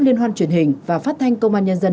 liên hoan truyền hình và phát thanh công an nhân dân